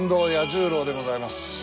十郎でございます。